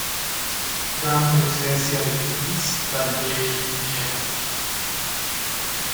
Gran presencia de lluvias durante el invierno.